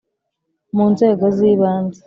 Mu nzego z ibanze